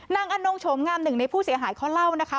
อนงโฉมงามหนึ่งในผู้เสียหายเขาเล่านะคะ